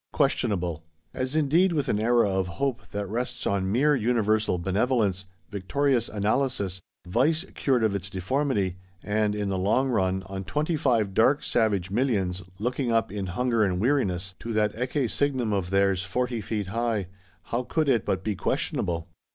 Questionable! As indeed, with an Era of Hope that rests on mere universal Benevolence, victorious Analysis, Vice cured of its deformity; and, in the long run, on Twenty five dark savage Millions, looking up, in hunger and weariness, to that Ecce signum of theirs "forty feet high,"—how could it but be questionable?